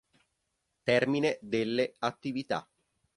Termine delle attività.